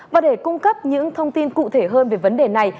và để cung cấp những thông tin cụ thể hơn về vấn đề này